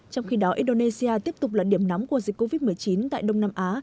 trong khi đó indonesia tiếp tục là điểm nóng của dịch covid một mươi chín tại đông nam á